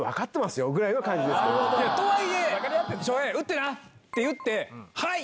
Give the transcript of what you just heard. とはいえ「翔平打ってな」って言ってはい！